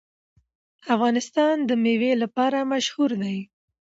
افغانستان د مېوې لپاره مشهور دی.